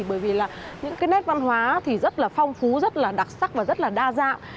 bởi vì là những cái nét văn hóa thì rất là phong phú rất là đặc sắc và rất là đa dạng